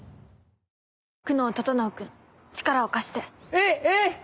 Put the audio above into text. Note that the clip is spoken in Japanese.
「久能整君力を貸して」「えっ？えっ？」